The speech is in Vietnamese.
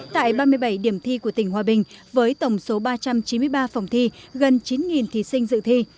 tại ba mươi bảy điểm thi của tỉnh hòa bình với tổng số ba trăm chín mươi ba phòng thi gần chín thí sinh dự thi